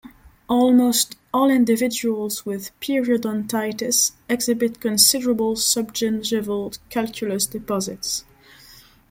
Almost all individuals with periodontitis exhibit considerable subgingival calculus deposits.